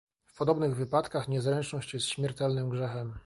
"W podobnych wypadkach niezręczność jest śmiertelnym grzechem."